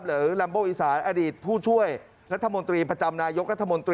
เหลือแรมโบอิสานอดีตผู้ช่วยรัฐมนตรีประจำนายก